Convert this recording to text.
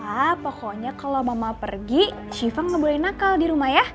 hah pokoknya kalau mama pergi siva nggak boleh nakal di rumah ya